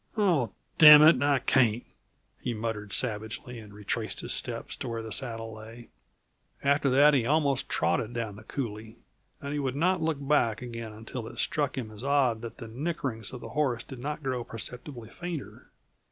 "Oh, damn it, I can't!" he muttered savagely, and retraced his steps to where the saddle lay. After that he almost trotted down the coulée, and he would not look back again until it struck him as odd that the nickerings of the horse did not grow perceptibly fainter.